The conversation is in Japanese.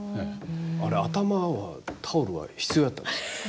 あれ、頭はタオルは必要やったんですか？